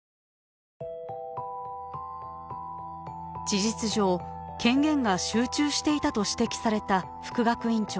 事実上権限が集中していたと指摘された副学院長。